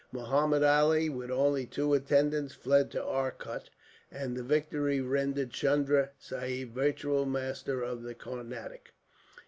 Muhammud Ali, with only two attendants, fled to Arcot, and the victory rendered Chunda Sahib virtual master of the Carnatic.